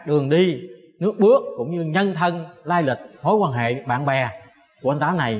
đường đi nước bước cũng như nhân thân lai lịch mối quan hệ bạn bè của anh tá này